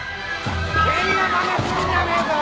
変なまねすんじゃねえぞ！